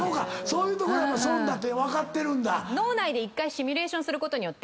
そういうところは損だって分かってるんだ。